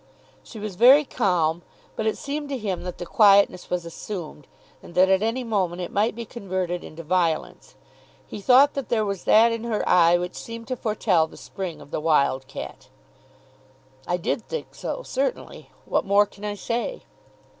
She was very calm; but it seemed to him that the quietness was assumed, and that at any moment it might be converted into violence. He thought that there was that in her eye which seemed to foretell the spring of the wild cat. "I did think so certainly. What more can I say?"